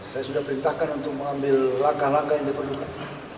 saya sudah perintahkan untuk mengambil langkah langkah yang diperlukan